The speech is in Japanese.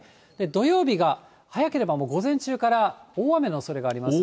土曜日が早ければもう午前中から大雨のおそれがあります。